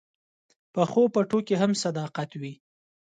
پخو پټو کې هم صداقت وي